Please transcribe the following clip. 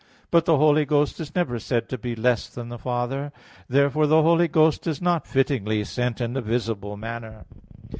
But the Holy Ghost is never said to be less than the Father. Therefore the Holy Ghost is not fittingly sent in a visible manner.